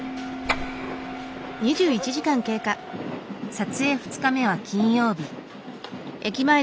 撮影２日目は金曜日。